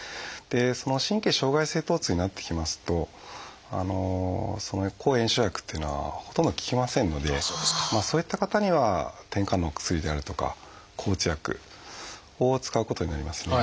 神経障害性疼痛になってきますと抗炎症薬っていうのはほとんど効きませんのでそういった方にはてんかんのお薬であるとか抗うつ薬を使うことになりますね。